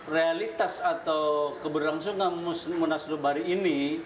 realitas atau keberlangsungan munaslu baru ini